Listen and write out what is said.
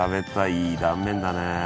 いい断面だね。